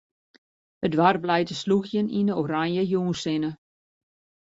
It doarp leit te slûgjen yn 'e oranje jûnssinne.